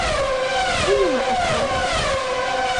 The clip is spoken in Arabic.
أَيُّمَا أَفْضَلُ